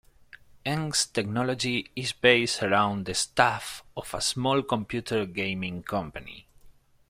Angst Technology is based around the staff of a small computer gaming company.